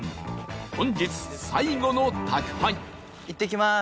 本日最後の宅配いってきます！